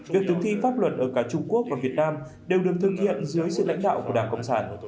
việc thực thi pháp luật ở cả trung quốc và việt nam đều được thực hiện dưới sự lãnh đạo của đảng cộng sản